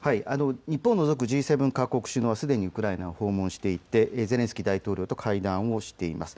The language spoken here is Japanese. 日本を除くＧ７各国はすでにウクライナを訪問していてゼレンスキー大統領と会談をしています。